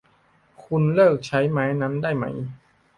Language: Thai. คุณเลิกใช้ไม้นั้นได้มั้ย !